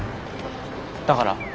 だから？